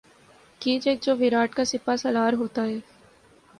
کیچک جو ویراٹ کا سپاہ سالار ہوتا ہے